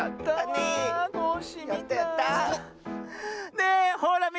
ねえほらみた？